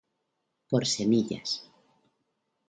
Por semillas.